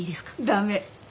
駄目。